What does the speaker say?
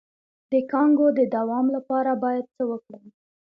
د کانګو د دوام لپاره باید څه وکړم؟